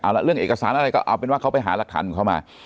เอาละเรื่องเอกสารอะไรก็เอาเป็นว่าเขาไปหารักฐานของเขามา